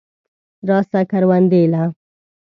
راسه کروندې له.